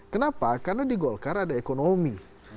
kenapa karena di golkar ada ekonomi